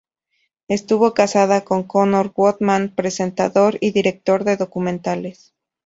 Estuvo casada con Conor Woodman, presentador y director de documentales.